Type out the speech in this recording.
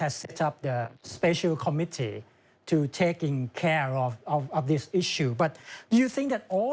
ถ้าทุกทางก็คิดว่าความพิสูจน์อยู่มวกพระมนุษย์